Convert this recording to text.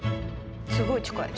すごい近い。